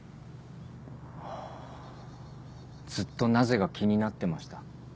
ずっと「なぜ」が気になってました。